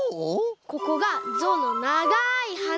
ここがゾウのながいはな。